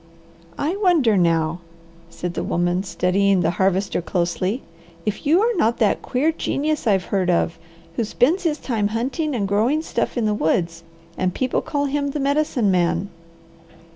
"I wonder now," said the woman studying the Harvester closely, "if you are not that queer genius I've heard of, who spends his time hunting and growing stuff in the woods and people call him the Medicine Man."